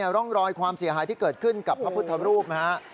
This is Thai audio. ร่องรอยความเสียหายที่เกิดขึ้นกับพระพุทธรูปนะฮะ